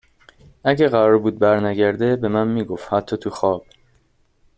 اگه قرار بود برنگرده به من میگفت حتی تو خواب